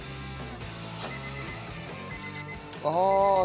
ああ。